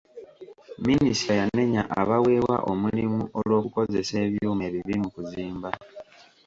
Minisita yanenya abaweebwa omulimu olw'okukozesa ebyuma ebibi mu kuzimba.